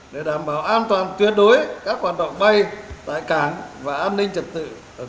để đảm bảo an toàn tuyệt đối các hoạt động bay tại cảng và an ninh trật tự